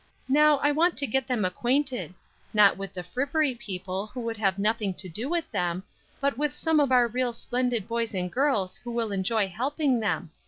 Now, I want to get them acquainted; not with the frippery people who would have nothing to do with them, but with some of our real splendid boys and girls who will enjoy helping them.